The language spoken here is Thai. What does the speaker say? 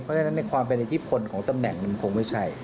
เพราะฉะนั้นในความเป็นอิทธิพลของตำแหน่งมันคงไม่ใช่